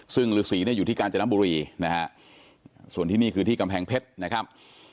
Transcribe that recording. ซึ่งฤษีเนี่ยอยู่ที่กาญจนบุรีนะฮะส่วนที่นี่คือที่กำแพงเพชรนะครับ